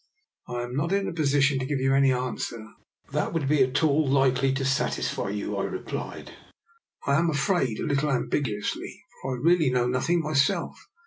"" I am not in a position to give you any answer that would be at all likely to satisfy you,'* I replied, I am afraid a little ambigu ously, " for I really know nothing myself.